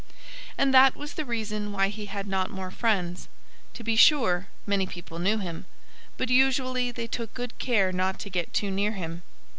And that was the reason why he had not more friends. To be sure, many people knew him. But usually they took good care not to get too near him.